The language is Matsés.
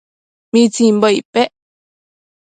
¿mitsimbo icpec